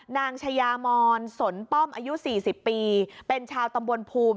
นายชายามอนสนป้อมอายุ๔๐ปีเป็นชาวตำบลภูมิ